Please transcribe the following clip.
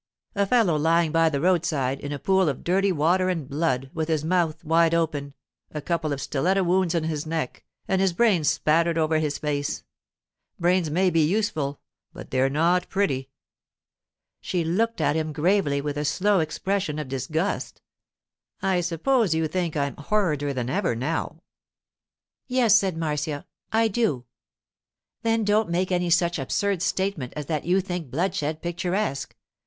'A fellow lying by the roadside, in a pool of dirty water and blood, with his mouth wide open, a couple of stiletto wounds in his neck, and his brains spattered over his face—brains may be useful, but they're not pretty.' She looked at him gravely, with a slow expression of disgust. 'I suppose you think I'm horrider than ever now?' 'Yes, said Marcia; 'I do.' 'Then don't make any such absurd statement as that you think bloodshed picturesque.